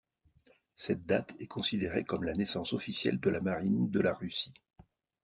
Cette date est considérée comme la naissance officielle de la Marine de la Russie.